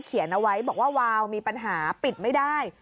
เขียนเอาไว้บอกว่าวาวมีปัญหาปิดไม่ได้